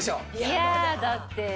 いやだって。